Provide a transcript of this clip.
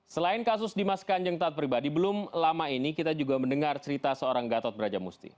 selain kasus dimas kanjeng taat pribadi belum lama ini kita juga mendengar cerita seorang gatot brajamusti